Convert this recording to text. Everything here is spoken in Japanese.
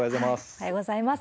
おはようございます。